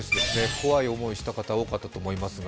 怖い思いをした方が多かったと思いますが。